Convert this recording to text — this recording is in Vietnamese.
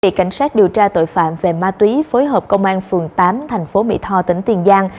kỳ cảnh sát điều tra tội phạm về ma túy phối hợp công an phường tám thành phố mỹ tho tỉnh tiền giang